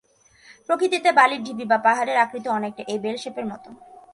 প্রকৃতিতে বালির ঢিবি বা পাহাড়ের আকৃতিও অনেকটা এই বেল শেপের মত।